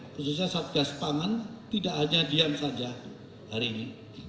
khususnya satgas pangan tidak hanya diam saja hari ini